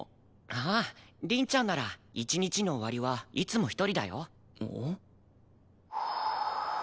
ああ凛ちゃんなら一日の終わりはいつも一人だよ。